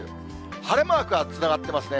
晴れマークがつながってますね。